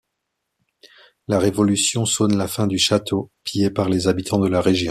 La Révolution sonne la fin du château, pillé par les habitants de la région.